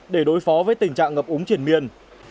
để đối phó với tình trạng ngập úng triển miên